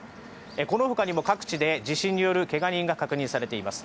このほかにも各地で地震によるけが人が確認されています。